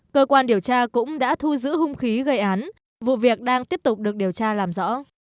cơ quan điều tra cũng đã thu giữ hung khí gây án vụ việc đang tiếp tục được điều tra làm rõ